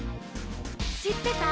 「しってた？」